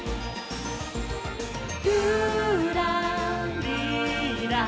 「ぴゅらりら」